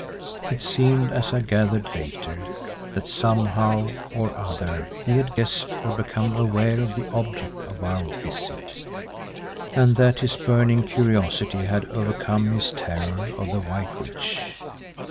It seemed, as I gathered later, that somehow or other he had guessed, or become aware of the object of our visit, and that his burning curiosity had overcome his terror of the "White Witch."